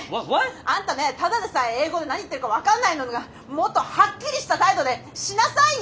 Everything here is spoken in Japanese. ただでさえ英語で何言ってるか分かんないんだからもっとはっきりした態度でしなさいよ！